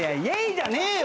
じゃねえよ